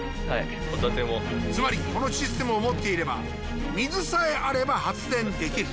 つまりこのシステムを持っていれば水さえあれば発電できる。